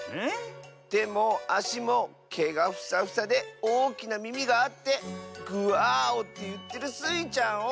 てもあしもけがふさふさでおおきなみみがあってグアーオっていってるスイちゃんを！